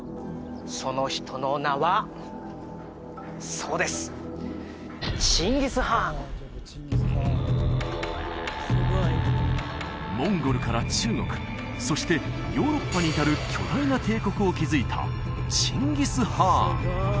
その人の名はそうですモンゴルから中国そしてヨーロッパに至る巨大な帝国を築いたチンギス・ハーン